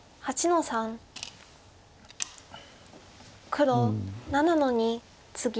黒７の二ツギ。